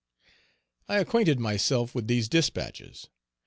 I acquainted myself with these dispatches.